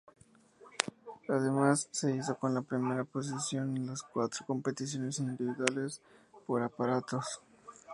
Además, se hizo con la primera posición en las cuatro competiciones individuales por aparatos.